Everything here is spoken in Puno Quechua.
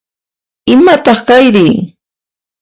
Imataq kayri?